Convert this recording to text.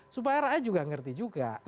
supaya rakyat juga ngerti juga